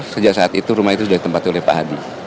sejak saat itu rumah itu sudah ditempati oleh pak hadi